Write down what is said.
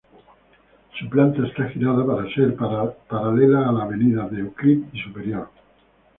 Su planta está girada para ser paralela a las avenidas Euclid y Superior.